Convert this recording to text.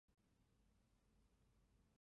尔后则作为附近居民以及朝圣者而服务。